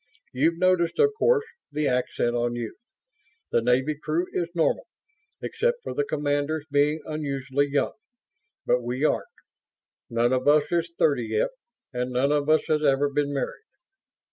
You've noticed, of course, the accent on youth. The Navy crew is normal, except for the commanders being unusually young. But we aren't. None of us is thirty yet, and none of us has ever been married.